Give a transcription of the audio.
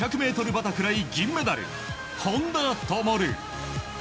バタフライ銀メダル本多灯。